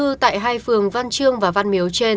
bí thư tại hai phường văn trường và văn miếu trên